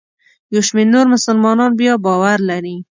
یو شمېر نور مسلمانان بیا باور لري.